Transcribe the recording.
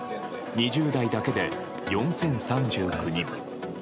２０代だけで４０３９人。